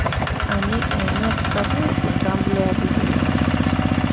Ani alina okusalawo ku ntambula ya bizinensi?